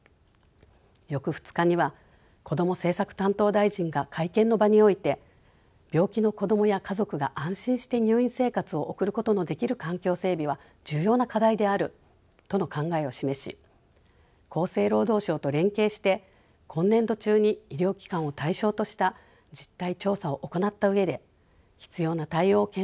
翌２日にはこども政策担当大臣が会見の場において病気の子どもや家族が安心して入院生活を送ることのできる環境整備は重要な課題であるとの考えを示し厚生労働省と連携して今年度中に医療機関を対象とした実態調査を行った上で必要な対応を検討することを表明しました。